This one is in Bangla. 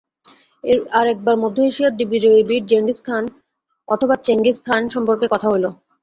আর একবার মধ্য-এশিয়ার দিগ্বিজয়ী বীর জেঙ্গিজ খাঁ অথবা চেঙ্গিজ খাঁ সম্বন্ধে কথা হইল।